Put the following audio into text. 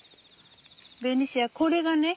ベニシアこれがね